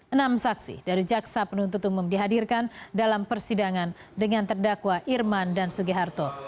enam saksi dari jaksa penuntut umum dihadirkan dalam persidangan dengan terdakwa irman dan sugiharto